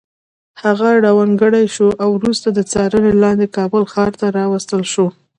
هغه ړوند کړی شو او وروسته د څارنې لاندې کابل ښار ته راوستل شو.